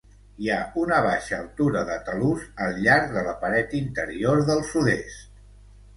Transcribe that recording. Hi ha una baixa altura de talús al llarg de la paret interior del sud-est.